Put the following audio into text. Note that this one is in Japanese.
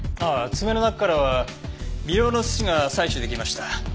爪の中からは微量の土が採取出来ました。